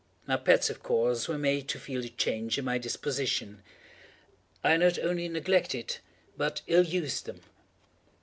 My pets, of course, were made to feel the change in my disposition. I not only neglected, but ill used them.